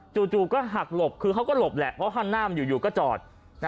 จู่ก็หักหลบคือเขาก็หลบแหละเพราะข้างหน้ามันอยู่ก็จอด